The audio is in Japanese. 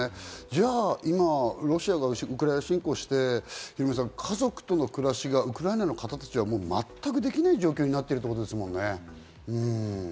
じゃあ今、ロシアがウクライナ侵攻をして、家族との暮らしがウクライナの方たちは全くできない状況になってるっていうことですもんね。